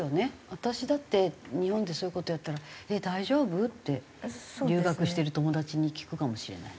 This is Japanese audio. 私だって日本でそういう事やったら「えっ大丈夫？」って留学してる友達に聞くかもしれない。